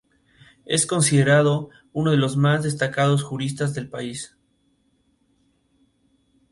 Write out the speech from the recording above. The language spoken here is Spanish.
Es considerado uno de los más destacados juristas del país.